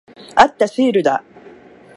あった。シールだ。